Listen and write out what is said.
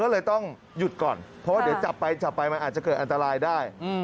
ก็เลยต้องหยุดก่อนเพราะว่าเดี๋ยวจับไปจับไปมันอาจจะเกิดอันตรายได้